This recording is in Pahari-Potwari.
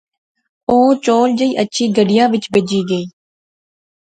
او چول جئے اچھی گڈیا وچ بہجی گئے